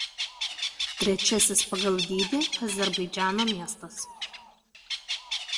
Trečiasis pagal dydį Azerbaidžano miestas.